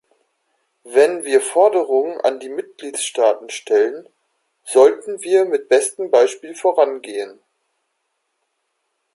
Wenn wir Forderungen an die Mitgliedstaaten stellen, sollten wir mit bestem Beispiel vorangehen.